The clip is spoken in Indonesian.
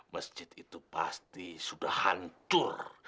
masjid itu pasti sudah hancur